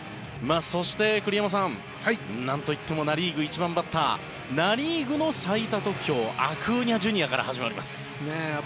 そして、栗山さんなんといってもナ・リーグ、１番バッターナ・リーグの最多得票アクーニャＪｒ．から始まります。